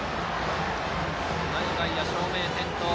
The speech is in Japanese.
内外野、照明点灯。